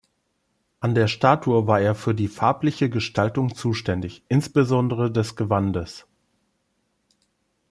An der Statue war er für die farbliche Gestaltung zuständig, insbesondere des Gewandes.